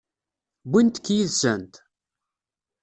Wwint-k yid-sent?